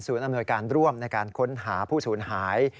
อำนวยการร่วมในการค้นหาผู้สูญหาย